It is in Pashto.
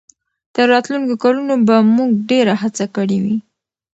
تر راتلونکو کلونو به موږ ډېره هڅه کړې وي.